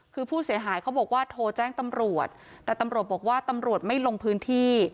คือผู้เสียหายเขาบอกว่าโทรแจ้งตำรวจแต่ตำรวจบอกว่าตำรวจไม่ลงพื้นที่